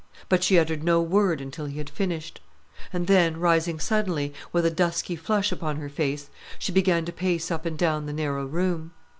But she uttered no word until he had finished; and then, rising suddenly, with a dusky flush upon her face, she began to pace up and down the narrow room.